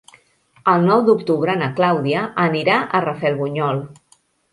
El nou d'octubre na Clàudia anirà a Rafelbunyol.